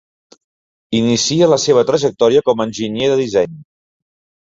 Inicia la seva trajectòria com a enginyer de disseny.